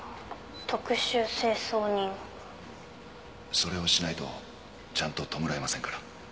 それをしないとちゃんと弔えませんから。